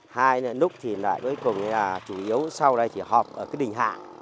hai lúc thì lại với cùng là chủ yếu sau đây thì họp ở cái đình hạ